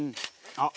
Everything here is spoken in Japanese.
「あっ！」